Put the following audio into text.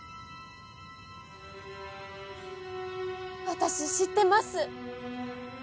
私知ってます